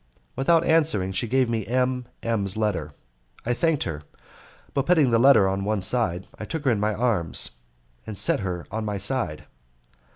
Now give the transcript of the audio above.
Without answering she gave me M M 's letter. I thanked her, but putting the letter on one side I took her in my arms, and set her by my side.